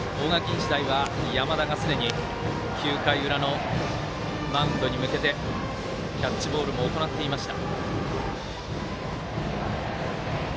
日大は山田がすでに９回裏のマウンドに向けてキャッチボールも行っていました。